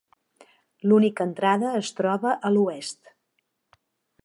L'única entrada es troba a l'oest.